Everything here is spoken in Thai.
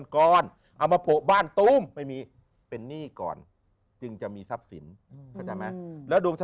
ก้อนเอามาโผล่บ้านกรูมให้มีหนี้ก่อนจึงจะมีทรัพย์ศิลป์ละแล้ว